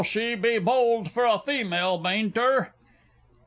She be bold fur a female, bain't her?...